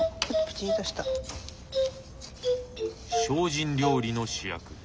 精進料理の主役。